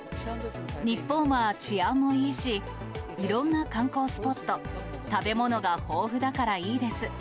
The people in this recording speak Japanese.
日本は治安もいいし、いろんな観光スポット、食べ物が豊富だからいいです。